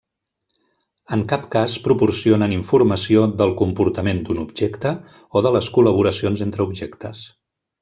En cap cas proporcionen informació del comportament d'un objecte o de les col·laboracions entre objectes.